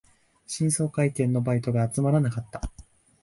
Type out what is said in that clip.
新装開店のバイトが集まらなかった